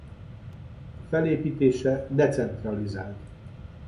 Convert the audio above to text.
A felépítése decentralizált.